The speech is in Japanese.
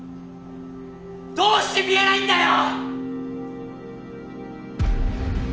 どうして見えないんだよ！